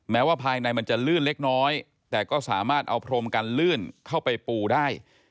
แม้ว่าภายในมันจะลื่นเล็กน้อยแต่ก็สามารถเอาพรมกันลื่นเข้าไปปูได้